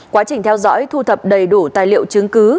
quá trình theo dõi thu thập đầy đủ tài liệu chứng cứ